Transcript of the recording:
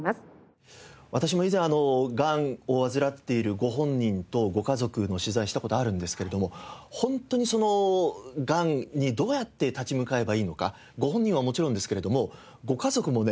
私も以前がんを患っているご本人とご家族の取材した事あるんですけれども本当にそのがんにどうやって立ち向かえばいいのかご本人はもちろんですけれどもご家族もね